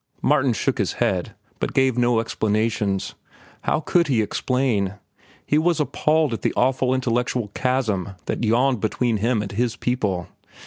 Martin shook his head, but gave no explanations. How could he explain? He was appalled at the awful intellectual chasm that yawned between him and his people.